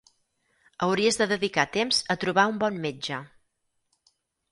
Hauries de dedicar temps a trobar un bon metge.